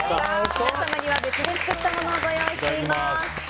皆様には別で作ったものをご用意しています。